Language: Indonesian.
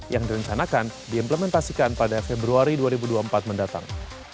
yang direncanakan diimplementasikan pada februari dua ribu dua puluh empat mendatang